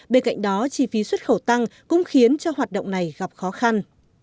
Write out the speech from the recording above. bên cạnh đó chi phí xuất khẩu tăng cũng khiến cho hoạt động này gặp khó khăn